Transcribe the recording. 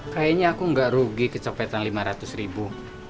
kayaknya aku nggak rugi kecopetan lima ratus ribu